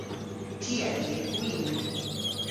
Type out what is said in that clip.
Ty a yv gwin.